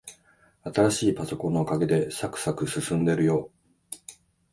新しいパソコンのおかげで、さくさく進んでるよ。